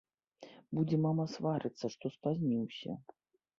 Будзе мама сварыцца, што спазніўся.